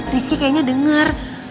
rizky kayaknya denger